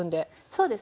そうですね。